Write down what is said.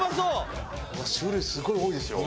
種類すごい多いですよ。